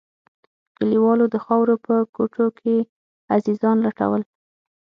كليوالو د خاورو په کوټو کښې عزيزان لټول.